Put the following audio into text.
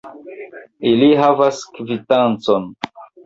Ili havas kvitancon.